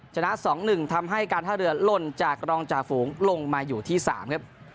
ชนะสองหนึ่งทำให้การท่าเรือล่นจากรองจาฝูงลงมาอยู่ที่สามครับ